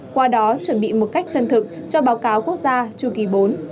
qua đó chuẩn bị một cách chân thực cho báo cáo quốc gia chu kỳ bốn